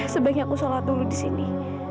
sebanyak aku sholat dulu disini